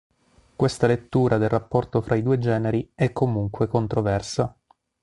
Questa lettura del rapporto fra i due generi è comunque controversa.